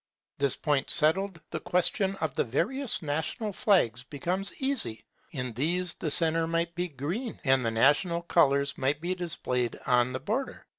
This point settled, the question of the various national flags becomes easy. In these the centre might be green, and the national colours might be displayed on the border.